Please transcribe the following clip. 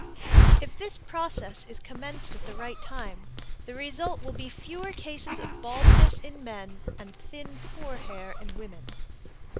If this process is commenced at the right time, the result will be fewer cases of baldness in men and thin, poor hair in women.